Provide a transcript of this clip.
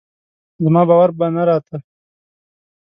زما باور به نه راته